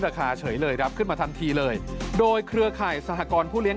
คาเฉยเลยครับขึ้นมาทันทีเลยโดยเครือข่ายสหกรณ์ผู้เลี้ย